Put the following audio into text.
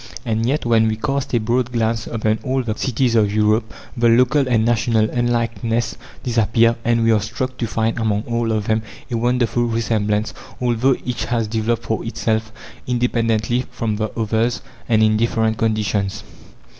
And yet, when we cast a broad glance upon all the cities of Europe, the local and national unlikenesses disappear, and we are struck to find among all of them a wonderful resemblance, although each has developed for itself, independently from the others, and in different conditions.